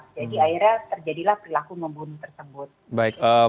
jadi akhirnya terjadilah perilaku membunuh tersebut